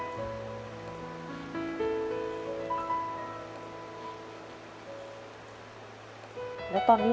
แต่ที่แม่ก็รักลูกมากทั้งสองคน